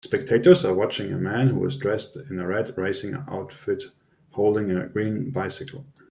Spectators are watching a man who is dressed in a red racing outfit holding a green bicycle.